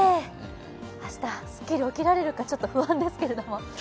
明日、すっきり起きられるか不安ですけれども。